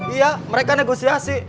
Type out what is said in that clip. iya mereka negosiasi